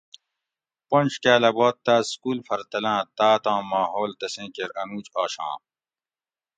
پنج کاۤلہ بعد تاۤس سکول پھر تلاۤں تاۤتاں ماحول تسیں کیر انوج آشاں